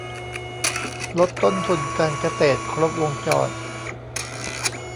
ลดต้นทุนการเกษตรครบวงจร